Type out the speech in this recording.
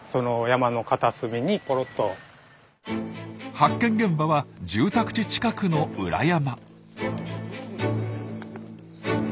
発見現場は住宅地近くの裏山。